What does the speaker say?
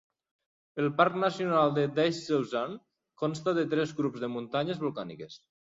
El parc nacional de Daisetsuzan consta de tres grups de muntanyes volcàniques.